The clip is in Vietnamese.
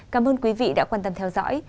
cảm ơn quý vị đã quan tâm theo dõi